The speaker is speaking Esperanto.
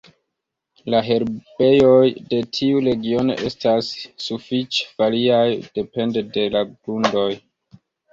La herbejoj de tiu regiono estas sufiĉe variaj depende de la grundoj.